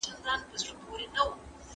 د هغوی راتلونکی روښانه کړئ.